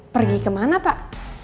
pergi kemana pak